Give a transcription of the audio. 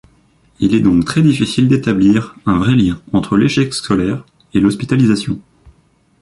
Il est donc très difficile d’établir un vrai lien entre l’échec scolaire et l’hospitalisation.